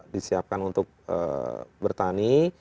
disiapkan untuk bertani